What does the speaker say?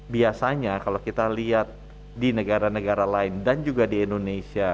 biasanya kalau kita lihat di negara negara lain dan juga di indonesia